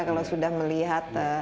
kalau sudah melihat